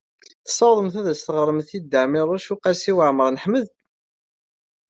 Tessawḍemt ad as-teɣremt i Dda Ɛmiiruc u Qasi Waɛmer n Ḥmed?